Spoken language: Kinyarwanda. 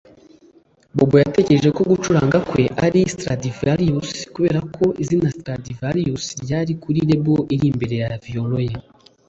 Bobo yatekereje ko gucuranga kwe ari Stradivarius kubera ko izina Stradivarius ryari kuri label iri imbere ya violon ye